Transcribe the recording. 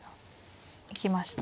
行きました。